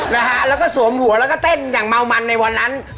นะฮะแล้วก็สวมหัวแล้วก็เต้นอย่างเมามันในวันนั้น